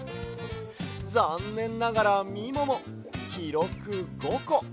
ざんねんながらみももきろく５こ。